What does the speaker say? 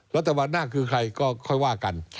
วันหน้าคือใครก็ค่อยว่ากัน